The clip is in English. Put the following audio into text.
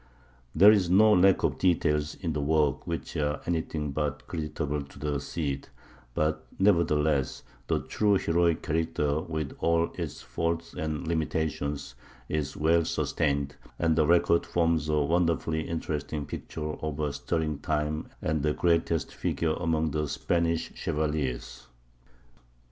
There is no lack of details in the work which are anything but creditable to the Cid; but, nevertheless, the true heroic character, with all its faults and limitations, is well sustained, and the record forms a wonderfully interesting picture of a stirring time and the greatest figure among the Spanish chevaliers.